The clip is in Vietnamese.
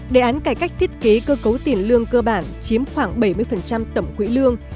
đề án cải cách thiết kế cơ cấu tiền lương cơ bản chiếm khoảng bảy mươi tổng quỹ lương